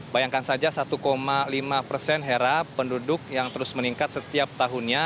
bayangkan saja satu lima persen hera penduduk yang terus meningkat setiap tahunnya